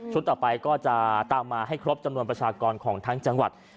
ต่อไปก็จะตามมาให้ครบจำนวนประชากรของทั้งจังหวัด